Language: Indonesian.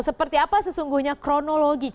seperti apa sesungguhnya kronologi